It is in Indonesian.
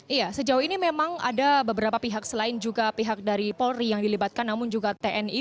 iya sejauh ini memang ada beberapa pihak selain juga pihak dari polri yang dilibatkan namun juga tni